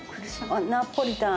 ナポリタン。